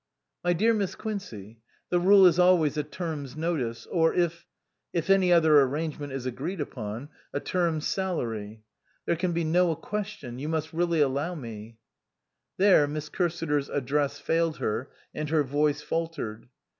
" My dear Miss Quincey, the rule is always a term's notice or if if any other arrangement is agreed upon, a term's salary. There can be 110 question you must really allow me " There Miss Cursiter's address failed her and her voice faltered.